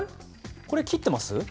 これ、切ってます？